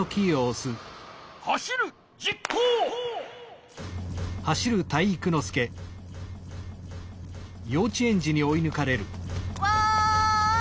「走る」実行！わい！